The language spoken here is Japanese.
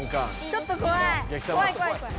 ちょっとこわい。